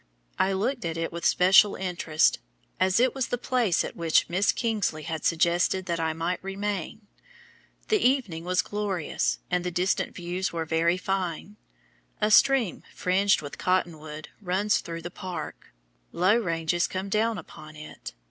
I looked at it with special interest, as it was the place at which Miss Kingsley had suggested that I might remain. The evening was glorious, and the distant views were very fine. A stream fringed with cotton wood runs through the park; low ranges come down upon it.